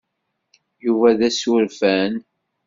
Yuba d asurfan.